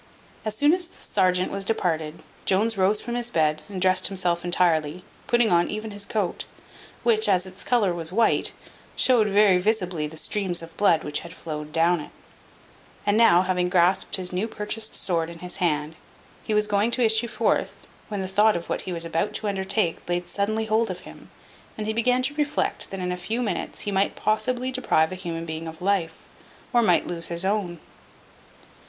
As soon as the serjeant was departed, Jones rose from his bed, and dressed himself entirely, putting on even his coat, which, as its colour was white, showed very visibly the streams of blood which had flowed down it; and now, having grasped his new purchased sword in his hand, he was going to issue forth, when the thought of what he was about to undertake laid suddenly hold of him, and he began to reflect that in a few minutes he might possibly deprive a human being of life, or might lose his own.